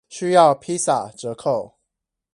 需要披薩折扣